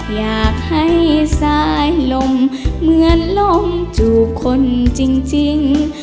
อยากให้สายลมเหมือนลมจูบคนจริง